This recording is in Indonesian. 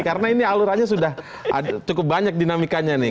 karena ini alurannya sudah cukup banyak dinamikanya nih